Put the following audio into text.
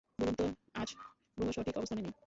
বলুন তো, আজ গ্রহ সঠিক অবস্থানে নেই।